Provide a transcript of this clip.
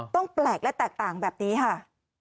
แปลกและแตกต่างแบบนี้ค่ะ